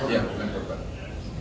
ya bukan kurban